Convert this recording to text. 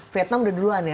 vietnam udah duluan ya